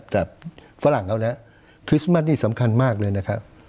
แต่ฝรั่งเอาแล้วคริสต์มัสนี่สำคัญมากเลยนะครับ